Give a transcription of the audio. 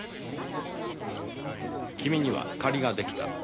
「君には借りが出来た」